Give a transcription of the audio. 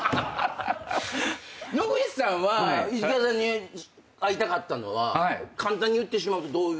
野口さんは石川さんに会いたかったのは簡単に言ってしまうとどういう？